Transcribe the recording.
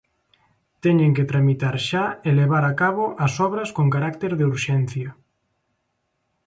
Teñen que tramitar xa e levar a cabo as obras con carácter de urxencia.